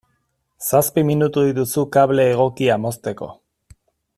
Zazpi minutu dituzu kable egokia mozteko.